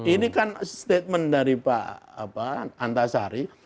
ini kan statement dari pak antasari